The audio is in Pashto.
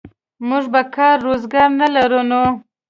موږ به کار روزګار نه لرو نو.